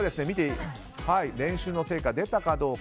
練習の成果出たかどうか。